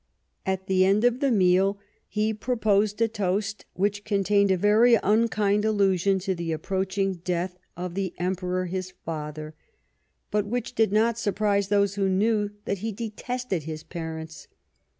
At the end of the meal he proposed a toast, which contained a very unkind allusion to the approaching death of the Emperor, his father, but which did not surprise those who knew that he detested his parents.